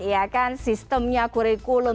ya kan sistemnya kurikulum